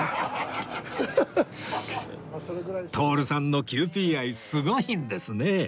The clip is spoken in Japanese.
徹さんのキユーピー愛すごいんですねえ